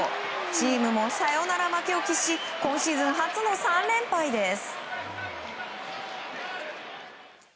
チームもサヨナラ負けを喫し今シーズン初の３連敗です。